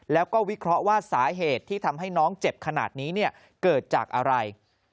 แล้วก็วิเคราะห์ว่าสาเหตุที่ทำให้น้องเจ็บขนาดนี้เกิดจากอะไร